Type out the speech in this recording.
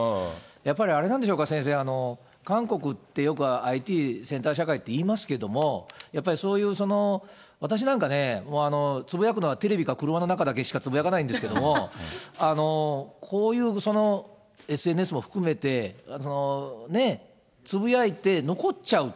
やっぱりあれなんでしょうか、先生、韓国ってよくＩＴ先端社会って言いますけども、やっぱりそういう、私なんかね、つぶやくのはテレビか車の中だけでしかつぶやかないんですけれども、こういうＳＮＳも含めて、つぶやいて残っちゃうと。